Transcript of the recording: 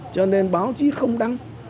cho nên báo chí không đăng